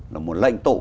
là một lãnh tụ